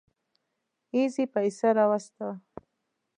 اېزي پيسه راواستوه.